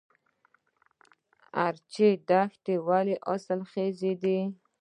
ارچي دښته ولې حاصلخیزه ده؟